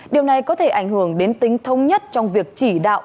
điều này có thể ảnh hưởng đến tính thông nhất trong việc chỉ đạo